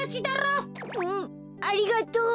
うんありがとう！